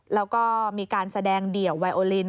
แล้วก็มีการแสดงเดี่ยวไวโอลิน